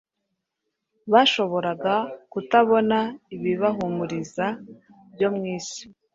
bashoboraga kutabona ibibahumuriza byo mu isi,